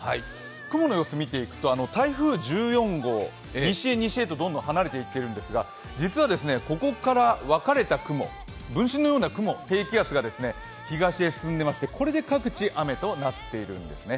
雲の様子を見ていくと、台風１４号西へ西へとどんどん離れていってるんですが実はですね、ここから分かれた雲分身のような雲、低気圧がですね東へ進んでいまして、これで各地雨となっているんですね。